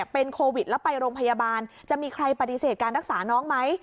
เป็นโควิดแล้วไปโรงพยาบาลจะมีใครปฏิเสธการรักษาน้องไหม